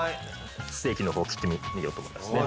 ステーキの方切ってみようと思いますね。